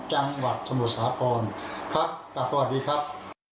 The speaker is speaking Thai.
จังหวัดสมุทรสาครครับสวัสดีครับ